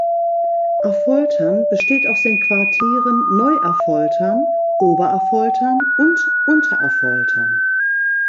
Affoltern besteht aus den Quartieren Neu-Affoltern, Ober-Affoltern und Unter-Affoltern.